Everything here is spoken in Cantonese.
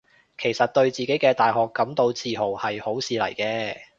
其實對自己嘅大學感到自豪係好事嚟嘅